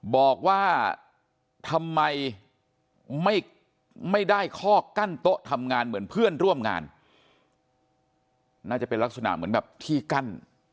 บอกว่าทำไมไม่ได้ข้อกั้นโต๊ะทำงานเหมือนเพื่อนร่วมงานน่าจะเป็นลักษณะเหมือนแบบที่กั้น